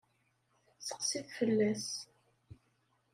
Seqsi-t fell-as.